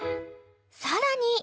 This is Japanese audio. ［さらに］